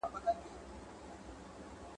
د دې غلامۍ پایله ده